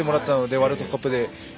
ワールドカップで。